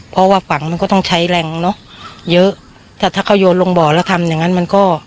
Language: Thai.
เพราะว่าฝังมันก็ต้องใช้แรงเนอะเยอะถ้าถ้าเขาโยนลงบ่อแล้วทำอย่างงั้นมันก็